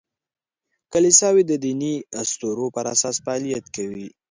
کلیساوې د دیني اسطورو پر اساس فعالیت کوي.